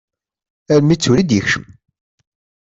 Armi d tura i d-ikcem.